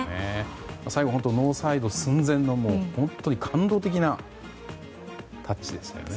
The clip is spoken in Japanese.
最後、ノーサイド寸前の本当に感動的なタッチでしたよね。